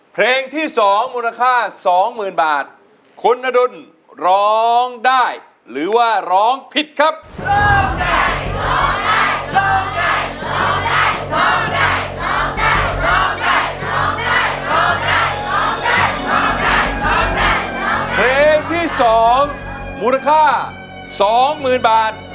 แผนไหนครับ